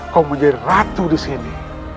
kau menjadi ratu disini